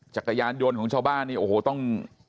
จักรยานยนต์ของชาวบ้านนี่โอ้โหต้อง